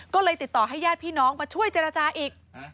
ก็เลยติดต่อให้ญาติพี่น้องมาช่วยเจรจาอีก